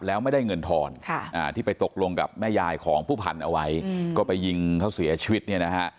แล้วไม่ได้เงินทอนที่ไปตกลงกับแม่ยายของผู้พันธุ์เอาไว้ก็ไปยิงเขาเสียชีวิตเนี่ยนะฮะ